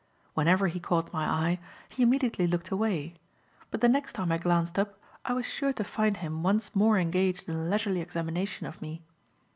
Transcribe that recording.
Whenever he caught my eye, he immediately looked away; but the next time I glanced up I was sure to find him once more engaged in a leisurely examination of me.